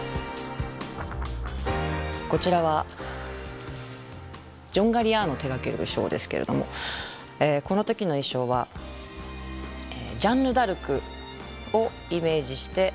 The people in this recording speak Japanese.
こちらはジョン・ガリアーノ手がけるショーですけれどもこの時の衣装はジャンヌ・ダルクをイメージして作ったコレクション。